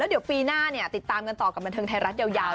เดี๋ยวปีหน้าติดตามกันต่อกับบันเทิงไทยรัฐยาว